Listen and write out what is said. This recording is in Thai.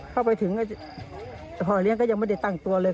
เข้าไปถึงพ่อเลี้ยงก็ยังไม่ได้ตั้งตัวเลย